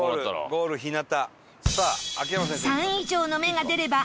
ゴール日向。